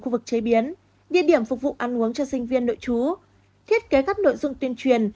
khu vực chế biến địa điểm phục vụ ăn uống cho sinh viên nội chú thiết kế các nội dung tuyên truyền